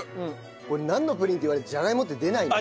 これなんのプリンって言われてじゃがいもって出ないね。